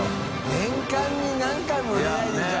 年間に何回も売れないでしょ。